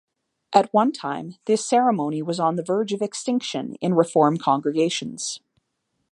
At one time, this ceremony was on the verge of extinction in Reform congregations.